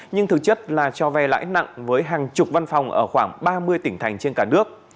nhưng thực chất là cho vay lãi nặng với hàng chục văn phòng ở khoảng ba mươi tỉnh thành trên cả nước